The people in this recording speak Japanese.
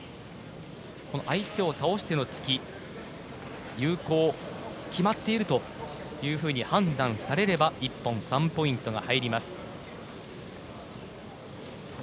相手を倒しての突き有効、決まっていると判断されれば１本、３ポイントが入ります。